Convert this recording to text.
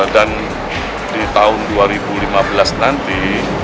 dan di tahun dua ribu lima belas nanti